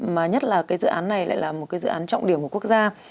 mà nhất là cái dự án này lại là một cái dự án trọng điểm của quốc gia